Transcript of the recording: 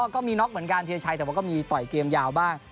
ก็มีน็อกเหมือนกันเทียชัยแต่ว่าก็มีต่อยเกมยาวบ้าง